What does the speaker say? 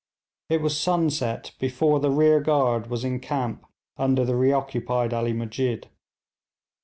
It was sunset before the rear guard was in camp under the reoccupied Ali Musjid.